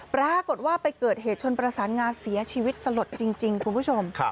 ปรากฏว่าไปเกิดเหตุชนประสานงาเสียชีวิตสลดจริงคุณผู้ชม